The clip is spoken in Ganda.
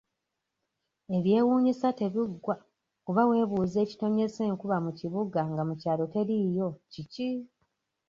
Ebyewuunyisa tebiggwa kuba weebuuza ekitonnyesa enkuba mu kibuga nga mu kyalo teriiyo kiki?